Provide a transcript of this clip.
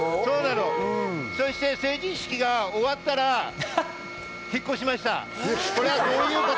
そして成人式が終わったら引っ越しました。